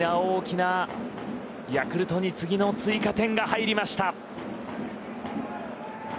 大きな大きなヤクルトに次の追加点が入りました。